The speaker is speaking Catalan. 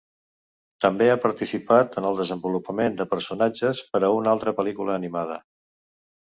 També ha participat en el desenvolupament de personatges per a una altra pel·lícula animada.